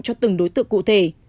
cho từng đối tượng cụ thể